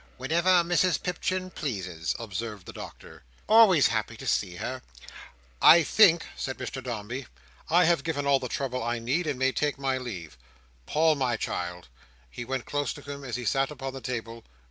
"Whenever Mrs Pipchin pleases," observed the Doctor. "Always happy to see her," said Mrs Blimber. "I think," said Mr Dombey, "I have given all the trouble I need, and may take my leave. Paul, my child," he went close to him, as he sat upon the table.